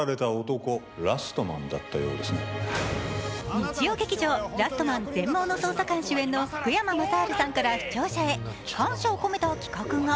日曜劇場「ラストマン−全盲の捜査官−」主演の福山雅治さんから視聴者へ感謝を込めた企画が。